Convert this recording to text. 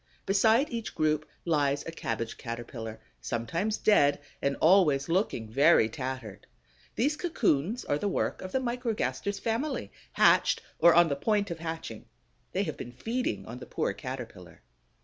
Beside each group lies a Cabbage caterpillar, sometimes dead and always looking very tattered. These cocoons are the work of the Microgaster's family, hatched or on the point of hatching; they have been feeding on the poor Caterpillar.